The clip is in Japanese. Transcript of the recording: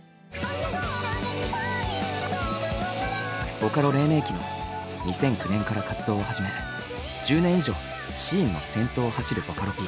ボカロ黎明期の２００９年から活動を始め１０年以上シーンの先頭を走るボカロＰＮｅｒｕ。